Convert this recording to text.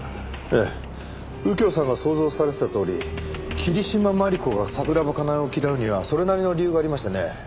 ええ右京さんが想像されてたとおり桐島万里子が桜庭かなえを嫌うにはそれなりの理由がありましたね。